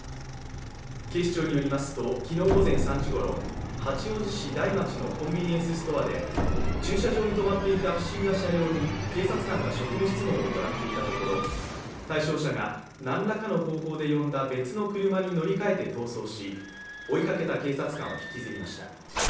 警視庁によりますと、昨日午前３時ごろ八王子市台町のコンビニエンスストアで、駐車場に止まっていた不審な車両に警察官が職務質問を行っていたところ対象者が何らかの方法で呼んだ別の車に乗り換えて逃走し追いかけた警察官を引きずりました。